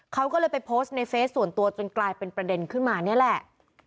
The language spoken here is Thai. เขาก็เลยไปโพสต์ในเฟซส่วนตัวจนกลายเป็นประเด็นขึ้นมานี่แหละ